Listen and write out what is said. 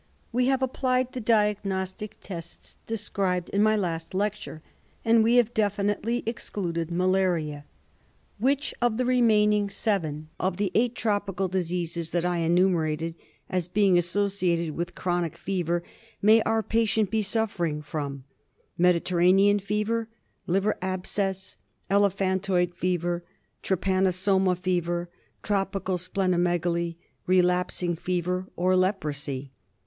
We have applied the diag nostic tests described in my last lecture, and we have definitely excluded malaria. Which of the remaining seven of the eight tropical diseases that I enumerated as being associated with chronic fever may our patient be suffering from :— Mediterranean Fever, Liver Abscess, Elephantoid Fever, Trypanosoma Fever, Tropical Spleno megaly, Relapsing Fever, or Leprosy